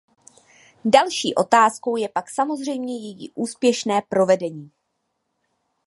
Další otázkou je pak samozřejmě její úspěšné provedení.